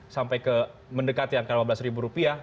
sampai mendekati angka rp lima belas